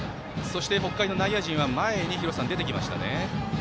北海の内野陣は前に出てきましたね。